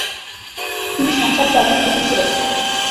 তিনি সংসারত্যাগী ফকির ছিলেন না।